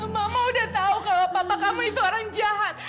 mama udah tahu kalau papa kamu itu orang jahat